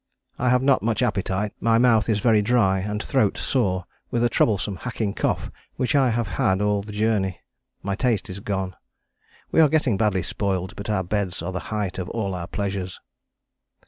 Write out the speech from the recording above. I have not much appetite, my mouth is very dry and throat sore with a troublesome hacking cough which I have had all the journey. My taste is gone. We are getting badly spoiled, but our beds are the height of all our pleasures."